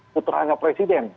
putra hanya presiden